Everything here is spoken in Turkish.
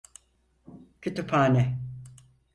Kütüphane.